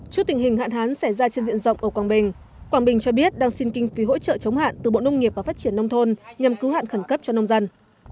trước tình hình hạn hán xảy ra trên diện rộng ở quảng bình quảng bình cho biết đang xin kinh phí hỗ trợ chống hạn từ bộ nông nghiệp và phát triển nông thôn nhằm cứu hạn khẩn cấp cho nông dân